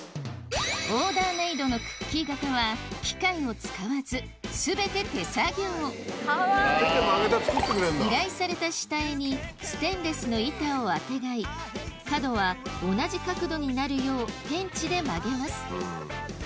オーダーメイドのクッキー型は機械を使わず全て手作業依頼された下絵にステンレスの板をあてがい角は同じ角度になるようペンチで曲げます